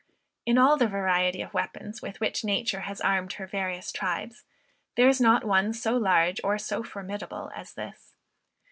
In all the variety of weapons with which nature has armed her various tribes, there is not one so large or so formidable as this.